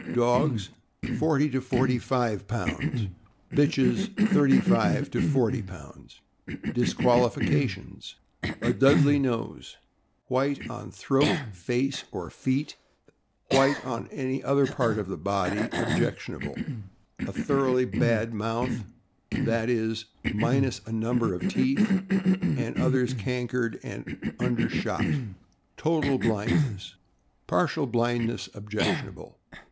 — Dogs, forty to forty five pounds ; bitches, thirty five to forty pounds. Disqualifications. — A Dudley nose; white on throat, face, or feet (white on any other part of the body objectionable); a thoroughly bad mouth — i. e., minus a number of teeth, and others cankered; also undershot; total blindness (partial blindness objectionable).